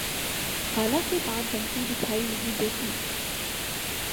حالانکہ بات بنتی دکھائی نہیں دیتی۔